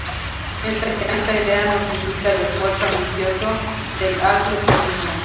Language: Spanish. Está idea nos indica el esfuerzo ambicioso del Hazlo tú mismo.